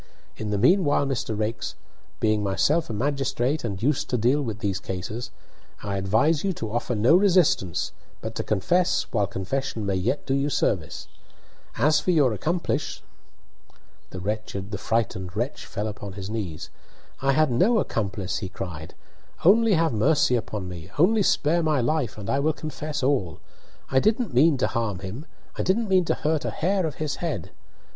In the meanwhile, Mr. Raikes, being myself a magistrate and used to deal with these cases, I advise you to offer no resistance but to confess while confession may yet do you service. As for your accomplice " The frightened wretch fell upon his knees. "I had no accomplice!" he cried, "Only have mercy upon me only spare my life, and I will confess all! I didn't mean to harm him! I didn't mean to hurt a hair of his head!